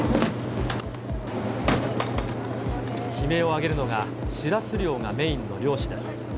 悲鳴を上げるのが、しらす漁がメインの漁師です。